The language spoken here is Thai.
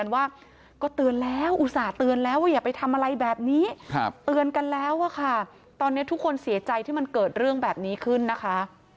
ว่าค่ะตอนนี้ทุกคนเสียใจที่มันเกิดเรื่องแบบนี้ขึ้นนะคะ